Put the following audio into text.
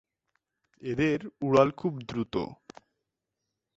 এদের উড়াল খুব দ্রুত।